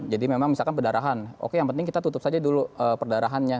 jadi memang misalkan perdarahan oke yang penting kita tutup saja dulu perdarahannya